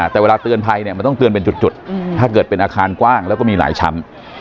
แต่เวลาเตือนภัยเนี่ยมันต้องเตือนเป็นจุดถ้าเกิดเป็นอาคารกว้างแล้วก็มีหลายชั้น